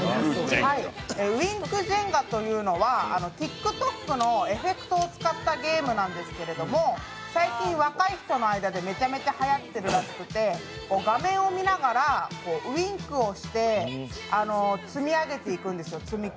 ウインクジェンガというのはＴｉｋＴｏｋのエフェクトを使ったゲームなんですけど最近若い人の間でめちゃめちゃはやってるらしくて、画面を見ながらウインクをして積み木を積み上げていくんですよ。